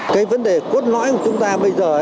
cái vấn đề cốt lõi của chúng ta bây giờ